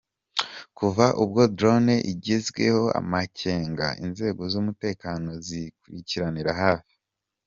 Kuva ubwo drone igizweho amakenga inzego z’ umutekano ziyikurikiranira hafi.